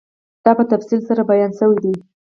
دا په تفصیل سره بیان شوی دی